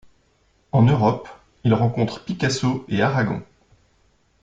En Europe, il rencontre Picasso et Aragon.